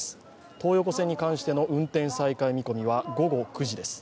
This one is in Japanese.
東横線に関しての運転再開見込みは午後９時です。